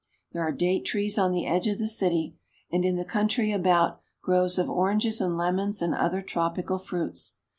There are date trees on the edge of the city, and, in the country about, groves of oranges and lemons and other tropical fruits.